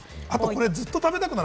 これずっと食べたくなる。